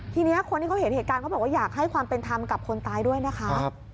ทีนี้คนที่เขาเห็นเหตุการณ์เขาบอกว่าอยากให้ความเป็นธรรมกับคนตายด้วยนะคะ